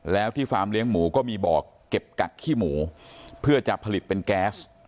แล้วที่ฟาร์มเลี้ยงหมูก็มีบอกเก็บกักขี้หมูเพื่อจะผลิตเป็นแก๊ส